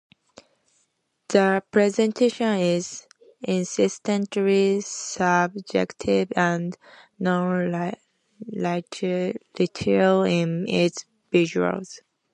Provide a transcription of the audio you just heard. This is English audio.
The presentation is insistently subjective and non-literal in its visuals.